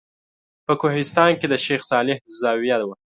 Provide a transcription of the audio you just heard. په کوهستان کې د شیخ صالح زاویه وه.